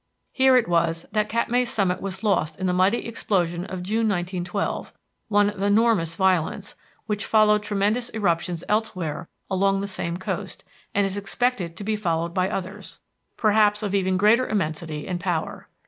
Here it was that Katmai's summit was lost in the mighty explosion of June, 1912, one of enormous violence, which followed tremendous eruptions elsewhere along the same coast, and is expected to be followed by others, perhaps of even greater immensity and power.